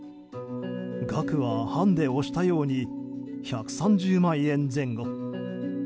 額は、判で押したように１３０万円前後。